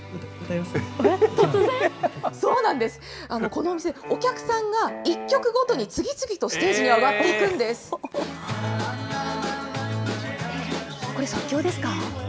この店、お客さんが１曲ごとに次々とステージに上がっていくこれ、即興ですか？